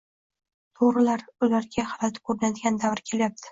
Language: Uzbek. To‘g‘rilar ularga g‘alati ko‘rinadigan davr kelyapti.